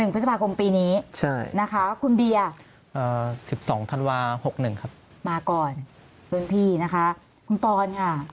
พฤษภาคมปีนี้นะคะคุณเบียร์๑๒ธันวา๖๑ครับมาก่อนรุ่นพี่นะคะคุณปอนค่ะ